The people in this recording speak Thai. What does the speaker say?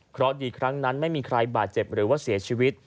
เพราะดีครั้งนั้นไม่มีใครบาดเจ็บหรือว่าเสียชีวิต